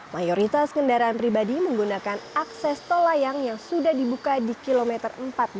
mayoritas kendaraan pribadi menggunakan akses tol layang yang sudah dibuka di kilometer empat belas